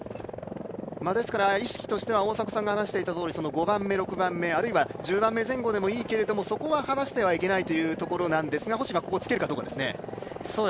意識としては５番目、６番目、あるいは１０番目前後でいいけれどそこは離してはいけないというところなんですが、星がここをつけるかどうかですね。